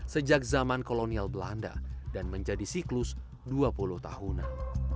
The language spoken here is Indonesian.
sejak zaman kolonial belanda dan menjadi siklus dua puluh tahunan